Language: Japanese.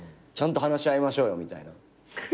ちゃんと話し合いましょうよみたいな。